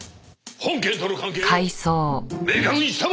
本件との関係を明確にしたまえ！